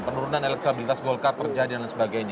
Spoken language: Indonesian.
penurunan elektabilitas golkar terjadi dan lain sebagainya